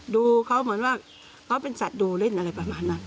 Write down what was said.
ดูเขาเหมือนว่าเขาเป็นสัตว์ดูเล่นอะไรประมาณนั้น